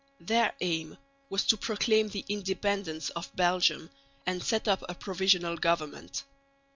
Their aim was to proclaim the independence of Belgium, and set up a provisional government.